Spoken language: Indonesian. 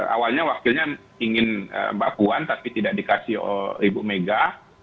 awalnya wakilnya ingin bakuan tapi tidak dikasih ribu mega